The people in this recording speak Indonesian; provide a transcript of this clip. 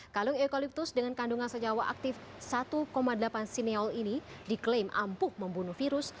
kalung eukalyptus dengan kandungan senyawa aktif satu delapan sineol ini diklaim ampuh membunuh virus